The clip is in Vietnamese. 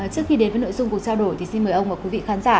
trước khi đến với nội dung cuộc trao đổi thì xin mời ông và quý vị khán giả